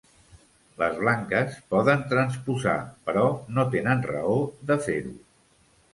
Les blanques poden transposar, però no tenen raó de fer-ho.